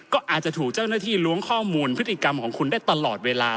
ก็อาจจะถูกเจ้าหน้าที่ล้วงข้อมูลพฤติกรรมของคุณได้ตลอดเวลา